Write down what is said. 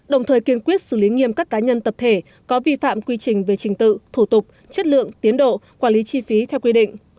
đồng thời kiên quyết xử lý nghiêm các cá nhân tập thể có vi phạm quy trình về trình tự thủ tục chất lượng tiến độ quản lý chi phí theo quy định